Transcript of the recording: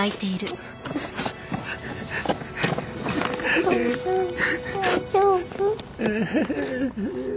お父さん大丈夫？